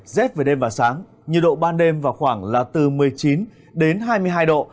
trời sẽ lạnh vào sáng nhiệt độ ban đêm vào khoảng là từ một mươi chín đến hai mươi hai độ